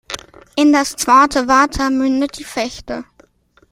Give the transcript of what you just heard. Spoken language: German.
In das Zwarte Water mündet die Vechte.